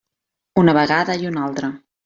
Una vegada i una altra.